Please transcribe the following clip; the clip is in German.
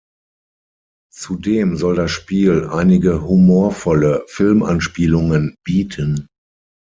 Zudem soll das Spiel einige humorvolle Film-Anspielungen bieten.